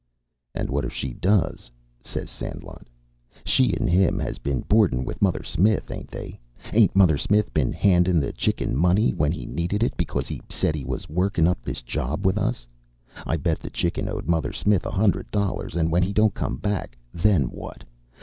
"And what if she does?" said Sandlot. "She and him has been boardin' with Mother Smith, ain't they? Ain't Mother Smith been handin' the Chicken money when he needed it, because he said he was workin' up this job with us? I bet the Chicken owed Mother Smith a hundred dollars, and when he don't come back, then what?